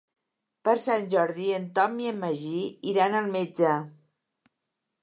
Per Sant Jordi en Tom i en Magí iran al metge.